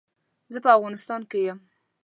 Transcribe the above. زه په افغانيستان کې يم.